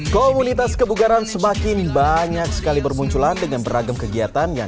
komunitas kebugaran semakin banyak sekali bermunculan dengan beragam kegiatan yang